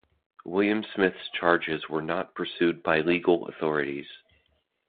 William Smith's charges were not pursued by legal authorities.